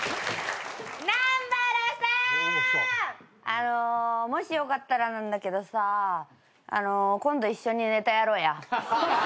あのもしよかったらなんだけどさ今度一緒にネタやろうや。